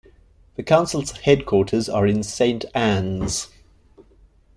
The council's headquarters are in Saint Annes.